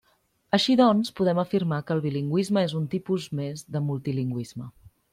Així doncs, podem afirmar que el bilingüisme és un tipus més de multilingüisme.